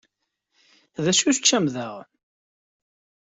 D acu teččamt daɣen?